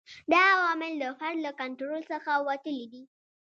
دا عوامل د فرد له کنټرول څخه وتلي دي.